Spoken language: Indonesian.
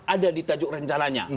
ada di tajuk rencananya